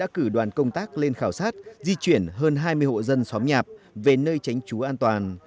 công tác lên khảo sát di chuyển hơn hai mươi hộ dân xóm nhạp về nơi tránh chú an toàn